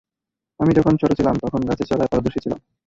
আমি যখন ছোট ছিলাম, তখন গাছে চড়ায় পারদর্শী ছিলাম।